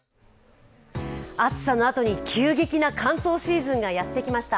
暑さのあとに急激な乾燥シーズンがやってきました。